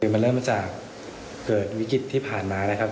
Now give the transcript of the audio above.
มันเริ่มมาจากเกิดวิกฤตที่ผ่านมานะครับ